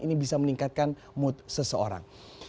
ini bisa meningkatkan mood seseorang